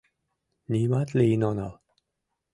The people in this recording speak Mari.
— Нимат лийын онал.